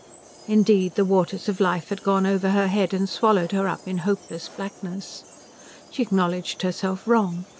Indeed the waters of life had gone over her head and swallowed her up in hopeless blackness. She acknowledged herself wrong.